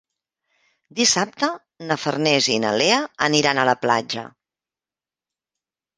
Dissabte na Farners i na Lea aniran a la platja.